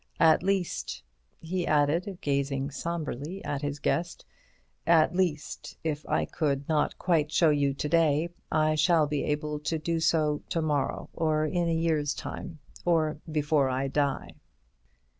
At least," he added, gazing sombrely at his guest, "at least, if I could not quite show you to day, I shall be able to do so to morrow—or in a year's time—or before I die."